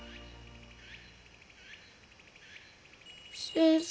先生。